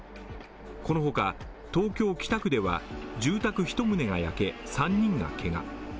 このほか東京・北区では住宅１棟が焼け、３人がけが。